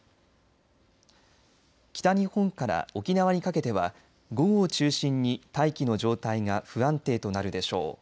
北日本から沖縄にかけては午後を中心に大気の状態が不安定となるでしょう。